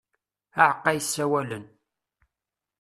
Aɛeqqa yessawalen.